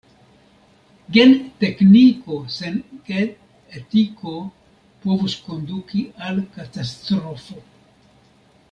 Gen-tekniko sen gen-etiko povus konduki al katastrofo.